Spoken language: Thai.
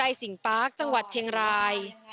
หิวโก้จิงปาร์กจังหวัดเชียงราย